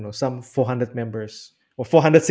ke empat ratus atau empat ratus enam belas